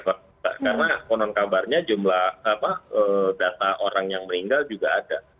karena konon kabarnya jumlah data orang yang meninggal juga ada